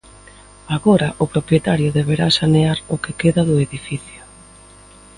Agora o propietario deberá sanear o que queda do edificio.